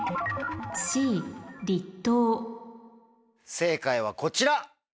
正解はこちら。